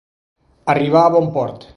Arribar a bon port.